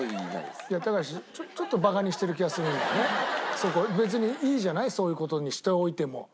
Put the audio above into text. そこ別にいいじゃないそういう事にしておいても。